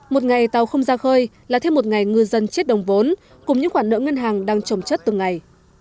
một ngày tàu không ra khơi là thêm một ngày ngư dân chết đồng vốn cùng những khoản nợ ngân hàng đang trồng chất từng ngày